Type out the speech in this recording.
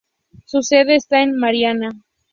Su sede está en Marianna.